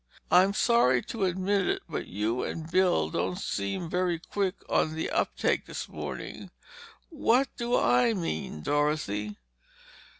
"I'm sorry to admit it, but you and Bill don't seem very quick on the uptake this morning. What do I mean, Dorothy?"